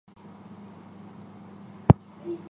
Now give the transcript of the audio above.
同年楠泰尔大学车站亦启用。